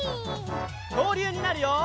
きょうりゅうになるよ！